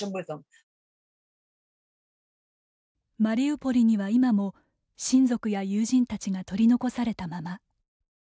マリウポリには、今も親族や友人たちが取り残されたまま。